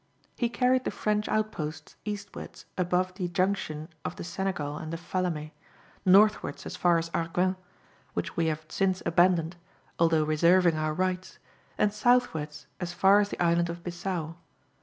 He carried the French outposts eastwards above the junction of the Senegal and the Faleme, northwards as far as Arguin, which we have since abandoned, although reserving our rights, and southwards as far as the island of Bissao.